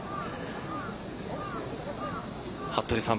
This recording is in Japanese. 服部さん